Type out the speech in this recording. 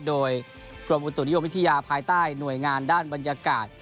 โดยกรมอุตุนิยมวิทยาภายใต้หน่วยงานด้านบรรยากาศ